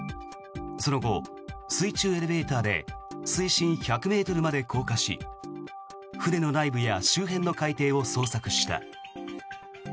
その後、水中エレベーターで水深１００ｍまで降下し船の内部や周辺の海底を捜索した。